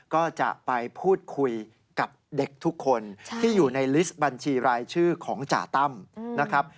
ก็จะไปพูดคุยกับเด็กทุกคนที่อยู่ในลิสต์บัญชีรายชื่อของจ่าตั้มนะครับ